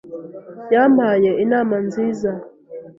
Yampaye inama nziza.